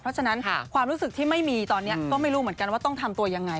เพราะฉะนั้นความรู้สึกที่ไม่มีตอนนี้ก็ไม่รู้เหมือนกันว่าต้องทำตัวยังไง